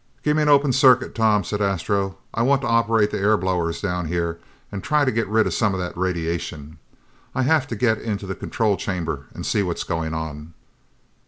"Gimme an open circuit, Tom," said Astro. "I want to operate the air blowers down here and try to get rid of some of that radiation. I have to get into the control chamber and see what's going on."